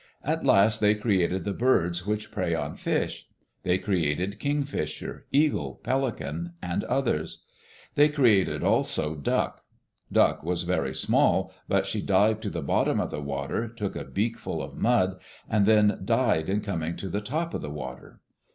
At last they created the birds which prey on fish. They created Kingfisher, Eagle, Pelican, and others. They created also Duck. Duck was very small but she dived to the bottom of the water, took a beakful of mud, and then died in coming to the top of the water.